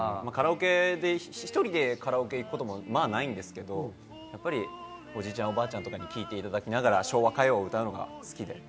１人でカラオケ行くこともまぁないんですけど、おじいちゃんおばあちゃんに聴いていただきながら昭和歌謡を歌うのが好きで。